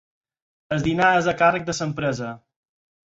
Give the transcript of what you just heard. El dinar és a càrrec de l'empresa.